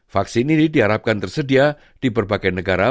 vaksin ini diharapkan tersedia di berbagai negara